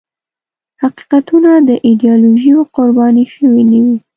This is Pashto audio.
حقیقتونه د ایدیالوژیو قرباني شوي نه وي.